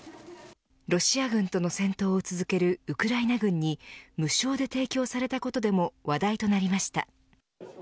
ロシア軍との戦闘を続けるウクライナ軍に無償で提供されたことでも話題となりました。